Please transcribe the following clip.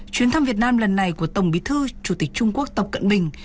chuyến thăm việt nam lần này của tổng bí thư chủ tịch trung quốc tập cận bình